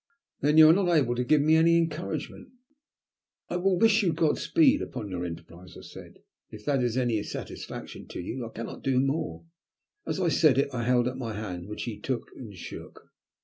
"Then you are not able to give me any encouragement?" "I will wish you God speed upon your enterprise," I said, "if that is any satisfaction to you. I cannot do more." As I said it I held out my hand, which he took and shook.